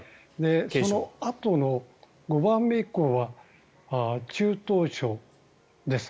そのあとの５番目以降は中等症です。